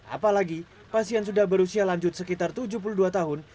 apalagi pasien sudah berusia lanjut sekitar tujuh puluh dua tahun